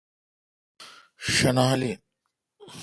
شݨال این۔